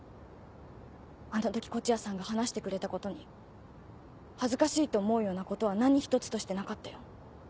あの時東風谷さんが話してくれたことに恥ずかしいと思うようなことは何一つとしてなかったよ